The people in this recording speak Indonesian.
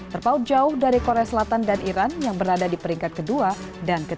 terpaut jauh dari korea selatan dan iran yang berada di peringkat ke dua dan ke tiga